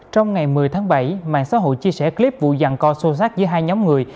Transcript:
trong ngày một mươi tháng bảy mạng xã hội chia sẻ clip vụ dàn co sâu sát giữa hai nhóm người